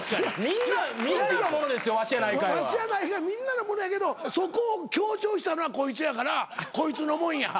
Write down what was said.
みんなのものやけどそこを強調したのはこいつやからこいつのもんや。